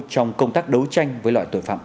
trong công tác đấu tranh với loại tội phạm